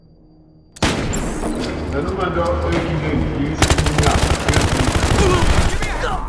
Pɛnúmɛndú ékíndene piénsi pímanyam kéfúku.